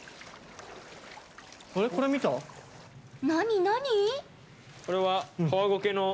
何、何？